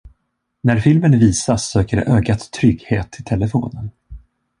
När filmen visas söker ögat trygghet i telefonen.